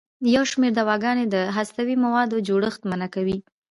یو شمېر دواګانې د هستوي موادو جوړښت منع کوي.